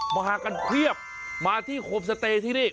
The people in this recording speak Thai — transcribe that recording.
มากันเพียบมาที่โฮมสเตย์ที่นี่